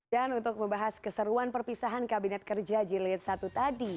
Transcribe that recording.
dan untuk membahas keseruan perpisahan kabinet kerja jeliat satu tadi